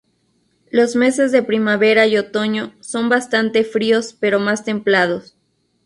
Los meses de primavera y otoño son bastante fríos, pero más templados.